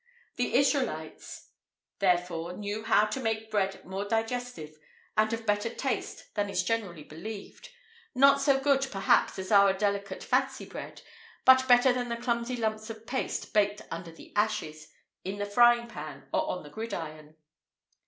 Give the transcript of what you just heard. [IV 14] The Israelites, therefore, knew how to make bread more digestive and of better taste than is generally believed not so good, perhaps, as our delicate fancy bread, but better than the clumsy lumps of paste baked under the ashes, in the frying pan, or on the gridiron.